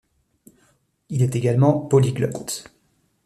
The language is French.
Il est également polyglotte.